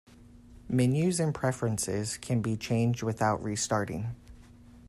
Menus and preferences can be changed without restarting.